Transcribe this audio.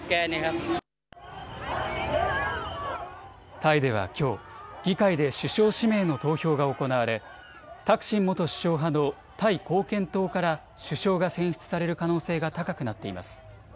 タイではきょう、議会で首相指名の投票が行われタクシン元首相派のタイ貢献党から首相が選出される可能性が高くなっています。